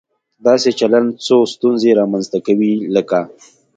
داسې چلن څو ستونزې رامنځته کوي، لکه